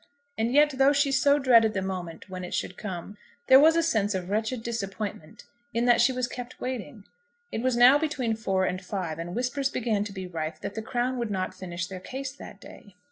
And yet though she so dreaded the moment when it should come, there was a sense of wretched disappointment in that she was kept waiting. It was now between four and five, and whispers began to be rife that the Crown would not finish their case that day.